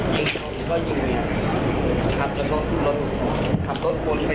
ยิงเขาหรือก็ยิงแม่